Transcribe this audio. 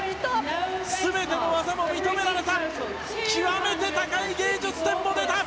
全ての技を認められた極めて高い芸術点も出た！